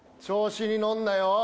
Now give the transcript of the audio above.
調子に乗んなよ。